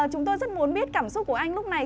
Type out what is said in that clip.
chúng tôi rất muốn biết cảm xúc của anh lúc này